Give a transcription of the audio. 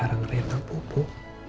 sekarang rehat nabuk nabuk